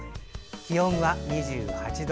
気温は２８度。